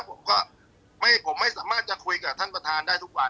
ผมก็ผมไม่สามารถจะคุยกับท่านประธานได้ทุกวัน